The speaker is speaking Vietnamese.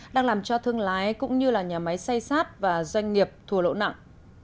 đang làm cho thương lái cũng như nhà máy xây xát và doanh nghiệp thua lỗ nặng